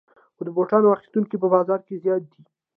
خو د بوټانو اخیستونکي په بازار کې زیات دي